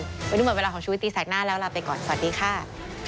ไปดูเหมือนเวลาของชุวิตตีสากหน้าแล้วลาไปก่อนสวัสดีค่ะ